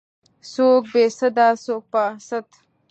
څوک بې سده څوک په سد.